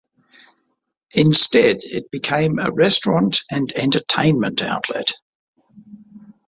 Instead it became a restaurant and entertainment outlet.